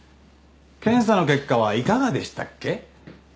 検査の結果はいかがでしたっけ？